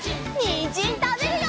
にんじんたべるよ！